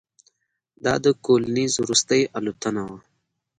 دا د کولینز وروستۍ الوتنه وه.